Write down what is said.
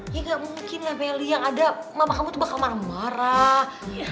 ya gak mungkin lah meli yang ada mama kamu tuh bakal marah marah